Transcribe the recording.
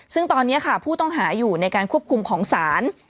ซึ่งตอนนี้ค่ะผู้ต้องหาอยู่ในการควบคุมของศาล